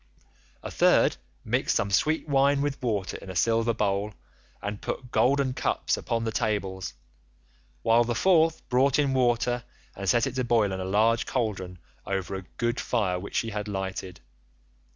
A third mixed some sweet wine with water in a silver bowl and put golden cups upon the tables, while the fourth brought in water and set it to boil in a large cauldron over a good fire which she had lighted.